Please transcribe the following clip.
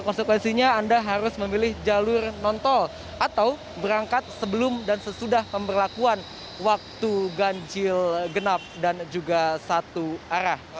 konsekuensinya anda harus memilih jalur non tol atau berangkat sebelum dan sesudah pemberlakuan waktu ganjil genap dan juga satu arah